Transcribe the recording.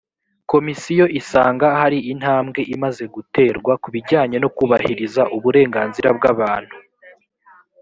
komisiyo isanga hari intambwe imaze guterwa ku bijyanye no kubahiriza uburenganzira bw‘abantu